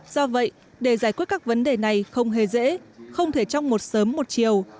do vậy để giải quyết các vấn đề này không hề dễ không thể trong một sớm một chiều